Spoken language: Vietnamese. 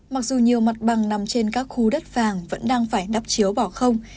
mặc dù nhiều mặt bằng nằm trên các khu đất vàng vẫn đang phải đắp chiếu bỏ không